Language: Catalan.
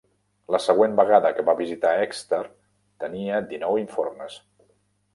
La següent vegada que va visitar Exter, tenia dinou informes.